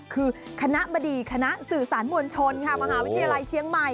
คือคณะบดีคณะสื่อสารมวลชนค่ะมหาวิทยาลัยเชียงใหม่